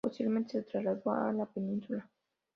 Posteriormente, se trasladó a la península.